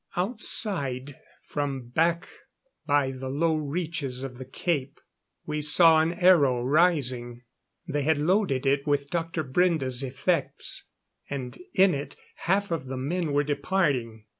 Outside, from back by the low reaches of the Cape, we saw an aero rising. They had loaded it with Dr. Brende's effects, and in it half of the men were departing.